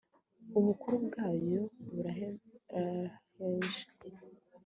ubukuru bwayo buraheraheje